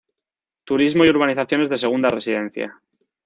Turismo y urbanizaciones de segunda residencia.